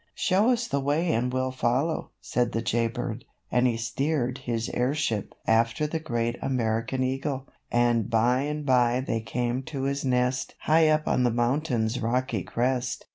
"Show us the way and we'll follow," said the Jay Bird, and he steered his airship after the great American Eagle, and by and by they came to his nest high up on the mountain's rocky crest.